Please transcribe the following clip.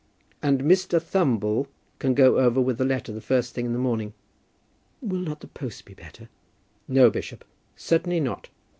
"And Mr. Thumble can go over with the letter the first thing in the morning." "Will not the post be better?" "No, bishop; certainly not."